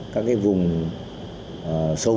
các vùng sâu vùng